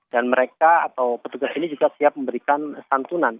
dan mereka atau petugas ini juga siap memberikan santunan